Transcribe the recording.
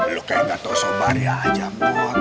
lu kayak gak tau sobari aja mut